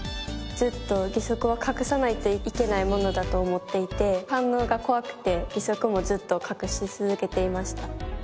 ずっと義足は隠さないといけないものだと思っていて反応が怖くて義足もずっと隠し続けていました。